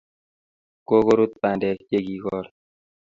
Kikorut bandek chikigol